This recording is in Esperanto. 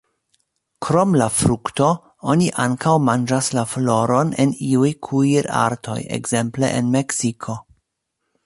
Krom la frukto, oni ankaŭ manĝas la floron en iuj kuirartoj, ekzemple en Meksiko.